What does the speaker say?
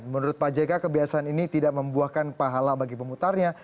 menurut pak jk kebiasaan ini tidak membuahkan pahala bagi pemutarnya